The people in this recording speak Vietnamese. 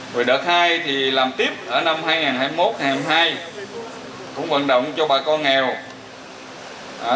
rồi đợt hai thì làm tiếp ở năm hai nghìn hai mươi một hai nghìn hai mươi hai cũng vận động cho bà con nghèo